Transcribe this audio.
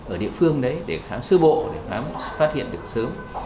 ở địa phương đấy để khám sơ bộ để khám phát hiện được sớm